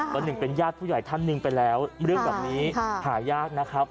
วันหนึ่งเป็นญาติผู้ใหญ่ท่านหนึ่งไปแล้วเรื่องแบบนี้หายากนะครับ